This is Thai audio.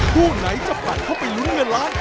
คู่ไหนจะผ่านเข้าไปลุ้นเงินล้าน